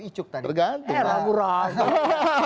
icuk tadi bergantung